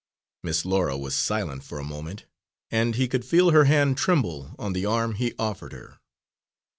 Miss Laura was silent for a moment and he could feel her hand tremble on the arm he offered her.